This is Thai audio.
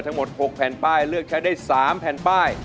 ทั้งหมด๖แผ่นป้ายเลือกใช้ได้๓แผ่นป้าย